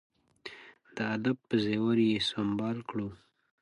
د ادب په زیور یې سمبال کړو.